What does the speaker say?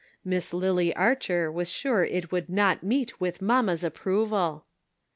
Miss Lily Archer was sure it would not meet with mamma's approval.